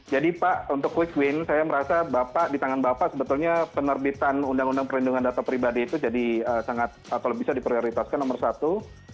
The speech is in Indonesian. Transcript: jadi pak untuk quick win saya merasa di tangan bapak sebetulnya penerbitan undang undang perlindungan data pribadi itu jadi sangat kalau bisa diprioritaskan nomor satu